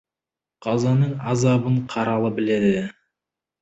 Қазаның азабын қаралы біледі.